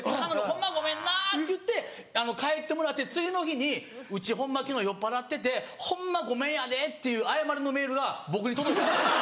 「ホンマごめんな」って言って帰ってもらって次の日に「うちホンマ昨日酔っぱらっててホンマごめんやで」っていう謝りのメールが僕に届いた。